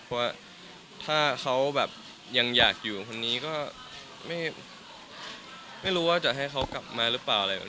เพราะว่าถ้าเขาแบบยังอยากอยู่คนนี้ก็ไม่รู้ว่าจะให้เขากลับมาหรือเปล่าอะไรแบบนี้